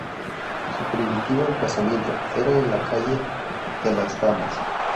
Su primitivo emplazamiento era en la "calle de las Damas".